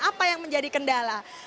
apa yang menjadi kendala